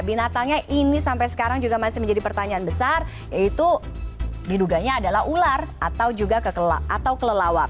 binatangnya ini sampai sekarang juga masih menjadi pertanyaan besar yaitu diduganya adalah ular atau juga atau kelelawar